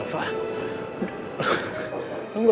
lo gak usah sosok nakutin gue deh